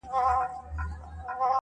• پای لا هم خلاص پاته کيږي..